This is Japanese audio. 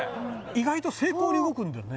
意外と精巧に動くんだよね